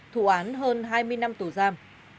thủ án hơn hai mươi năm tù giam